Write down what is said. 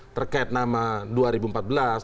terkait nama dua ribu empat belas nama fransesco